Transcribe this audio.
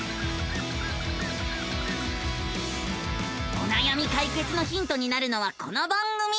おなやみ解決のヒントになるのはこの番組。